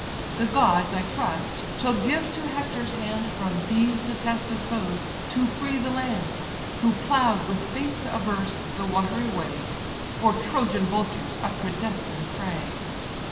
The gods, I trust, shall give to Hector's hand From these detested foes to free the land, Who plough'd, with fates averse, the watery way: For Trojan vultures a predestined prey.